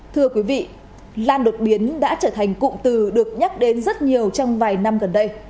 thưa quý vị lan đột biến đã trở thành cụm từ được nhắc đến rất nhiều trong vài năm gần đây